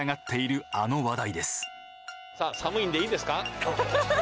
さあ寒いんでいいですか？